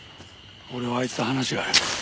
俺はあいつと話がある。